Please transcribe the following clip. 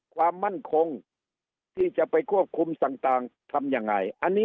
ความมั่นคงที่จะไปควบคุมต่างทำยังไงอันนี้